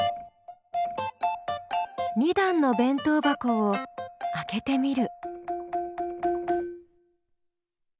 ２段の弁当箱を開けてみる。